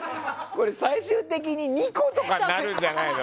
最終的に２個とかになるんじゃないの？